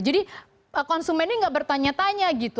jadi konsumen ini enggak bertanya tanya gitu